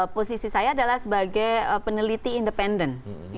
posisi saya adalah sebagai peneliti independen